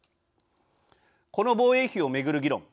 この防衛費を巡る議論。